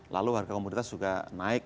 lalu harga komoditas juga naik